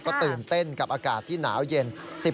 ก็ตื่นเต้นกับอากาศที่หนาวเย็น